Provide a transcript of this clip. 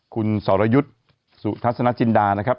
คุณสรยุทธ์สุทัศนจินดานะครับ